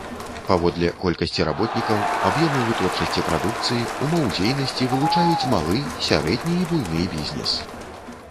Паводле колькасці работнікаў, аб'ёму вытворчасці прадукцыі, умоў дзейнасці вылучаюць малы, сярэдні і буйны бізнес.